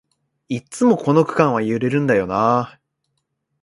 いっつもこの区間は揺れるんだよなあ